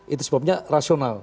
itu sebabnya rasional